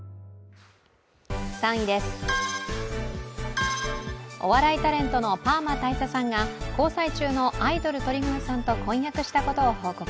３位です、お笑いタレントのパーマ大佐さんが交際中のアイドル鳥越さんと婚約したことを報告。